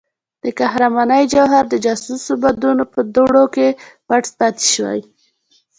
د قهرمانۍ جوهر د جاسوسو بادونو په دوړو کې پټ پاتې شوی.